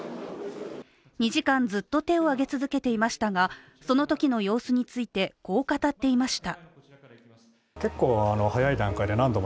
２時間ずっと手を挙げ続けていましたが、そのときの様子について、こう語っていました。